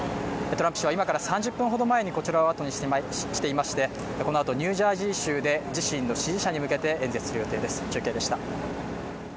トランプ氏は今から３０分ほど前にこちらをあとにしていまして、このあとニュージャージー州に移動して自身の支持者に向けて演説する予定です。